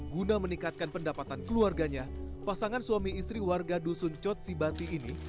guna meningkatkan pendapatan keluarganya pasangan suami istri warga dusun cotsibati ini